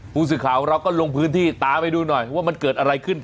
ผู้สื่อข่าวของเราก็ลงพื้นที่ตามไปดูหน่อยว่ามันเกิดอะไรขึ้น